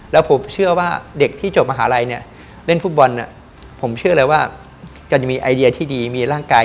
แล้วผมเชื่อว่าเด็กที่จบมหาลัย